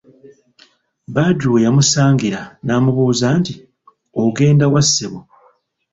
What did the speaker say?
Badru we yamusangira n'amubuuza nti "ogenda wa ssebo?"